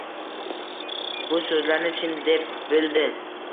Bu so’zlarni chin, deb bildi